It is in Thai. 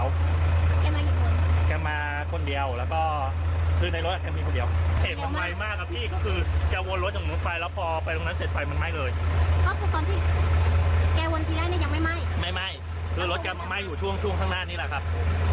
วันที่แรกยังไม่ไหม้ไม่ไหม้คือรถจะไหม้อยู่ช่วงช่วงข้างหน้านี้แหละครับ